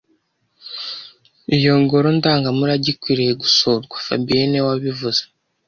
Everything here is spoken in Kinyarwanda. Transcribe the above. Iyo ngoro ndangamurage ikwiriye gusurwa fabien niwe wabivuze